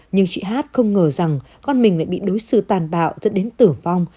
nhưng chị hát không ngờ rằng con mình lại bị đối sư tàn bạo dẫn đến tử vong